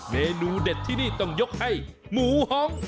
เมนูเด็ดที่นี่ต้องยกให้หมูหอง